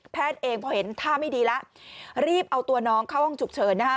เองพอเห็นท่าไม่ดีแล้วรีบเอาตัวน้องเข้าห้องฉุกเฉินนะคะ